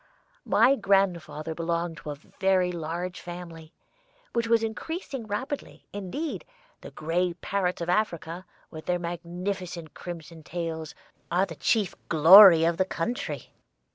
My grandfather belonged to a very large family, which was increasing rapidly; indeed, the gray parrots of Africa, with their magnificent crimson tails, are the chief glory of the country.